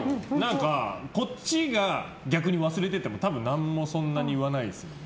こっちが逆に忘れてても何もそんなに言わないですよね。